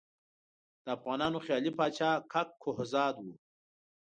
د افغانانو خیالي پاچا کک کهزاد وو.